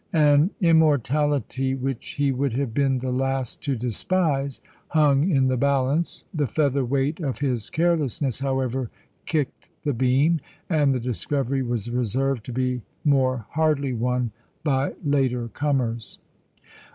An immortality which he would have been the last to despise hung in the balance; the feather weight of his carelessness, however, kicked the beam, and the discovery was reserved to be more hardly won by later comers.